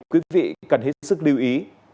quý vị cần hết sức lưu ý